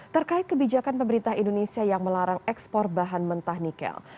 terkait kebijakan pemerintah indonesia yang melarang ekspor bahan mentah nikel